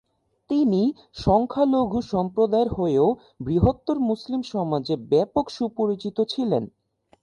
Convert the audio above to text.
তিনি সংখ্যালঘু সম্প্রদায়ের হয়েও বৃহত্তর মুসলিম সমাজে ব্যপক সুপরিচিত ছিলেন।